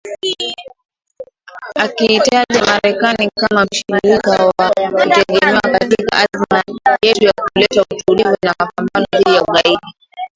Akiitaja Marekani kama mshirika wa kutegemewa katika azma yetu ya kuleta utulivu na mapambano dhidi ya ugaidi.